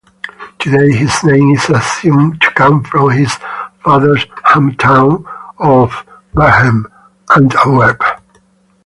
Today his name is assumed to come from his father's hometown of Berchem, Antwerp.